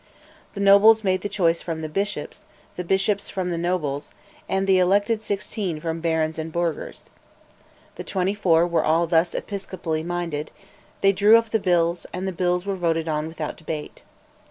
The nobles made the choice from the bishops, the bishops from the nobles, and the elected sixteen from the barons and burghers. The twenty four were all thus episcopally minded: they drew up the bills, and the bills were voted on without debate.